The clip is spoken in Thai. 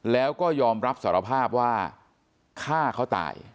แล้วก็ยอมรับสารภาพว่าฆ่าเขาตาย